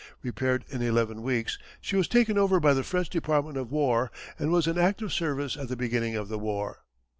Repaired in eleven weeks she was taken over by the French Department of War, and was in active service at the beginning of the war.